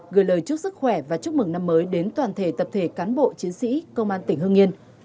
gửi lời chúc sức khỏe và chúc mừng năm mới đến toàn thể tập thể cán bộ chiến sĩ công an tỉnh hương yên